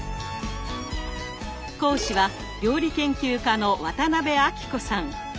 講師は料理研究家の渡辺あきこさん。